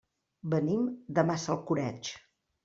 Venim de Massalcoreig.